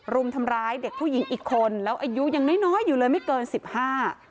รุมทำร้ายเด็กผู้หญิงอีกคนแล้วอายุยังน้อยน้อยอยู่เลยไม่เกินสิบห้า